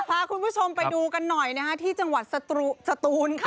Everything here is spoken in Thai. พาคุณผู้ชมไปดูกันหน่อยนะคะที่จังหวัดสตูนค่ะ